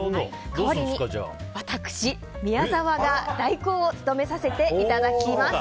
代わりに私、宮澤が代行を務めさせていただきます。